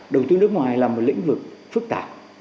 đầu tư nước ngoài là một lĩnh vực phức tạp